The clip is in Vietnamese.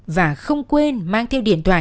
và không quên mang theo điện thoại